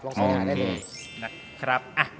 ลองสัญญาได้เลย